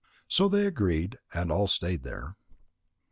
So they agreed and all stayed there.